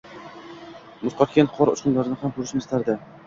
Muz qotgan qor uchqunlarini ham ko‘rishni istardi.